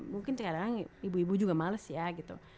mungkin kadang kadang ibu ibu juga males ya gitu